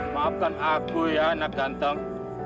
maafkan aku ya anak ganteng